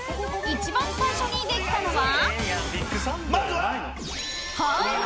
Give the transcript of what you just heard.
［一番最初にできたのは］